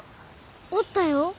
おったよ。